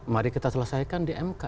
mari kita selesaikan di mk